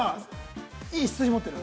いい筋、持ってる？